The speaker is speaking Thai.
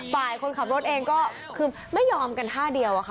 คนขับรถเองก็คือไม่ยอมกันท่าเดียวอะค่ะ